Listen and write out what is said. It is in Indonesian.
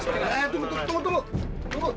tunggu tunggu tunggu